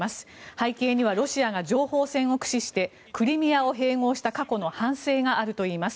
背景にはロシアが情報戦を駆使してクリミアを併合した過去の反省があるといいます。